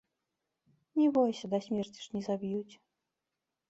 Не бойся, да смерці ж не заб'юць.